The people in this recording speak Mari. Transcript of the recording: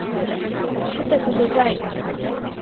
Чыте, кугызай!